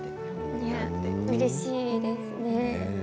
うれしいですね。